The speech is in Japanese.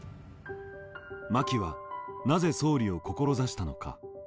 真木はなぜ総理を志したのか。